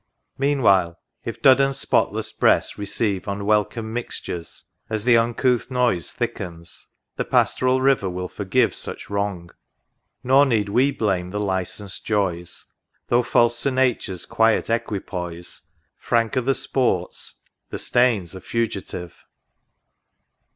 Meanwhile, if Duddon's spotless breast receive Unwelcome mixtures as the uncouth noise Thickens, the pastoral River will forgive Such wrong ; nor need we blame the licensed joys Though false to Nature's quiet equipoise : Frank are the sports, the stains are fugitive.